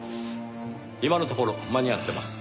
今のところ間に合ってます。